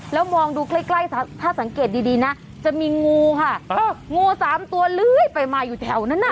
แล้วมองดูใกล้ถ้าสังเกตดีนะจะมีงูค่ะงูสามตัวเลื้อยไปมาอยู่แถวนั้นน่ะ